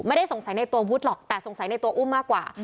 ไม่ได้สงสัยในตัววุฒิหรอกแต่สงสัยในตัวอุ้มมากกว่า